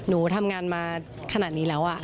หนูทำงานมาขนาดนี้แล้ว